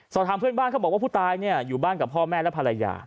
สอบถามเพื่อนบ้านเขาบอกว่าผู้ตายอยู่บ้านกับพ่อแม่และภรรยา